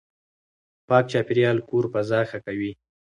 پاک چاپېريال کور فضا ښه کوي.